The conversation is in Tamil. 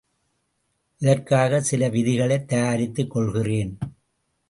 இதற்காகச் சில விதிகளைத் தயாரித்துக் கொள்கிறேன்.